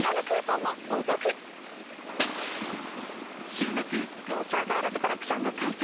週末、東京ガールズコレクションが開催。